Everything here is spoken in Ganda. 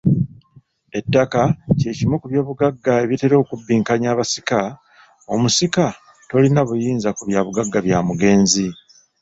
Ettaka ky'ekimu ku by'obugagga ebitera okubbinkanya abasika. Omusika tolina buyinza ku byabugagga bya mugenzi.